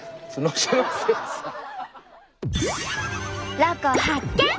ロコ発見！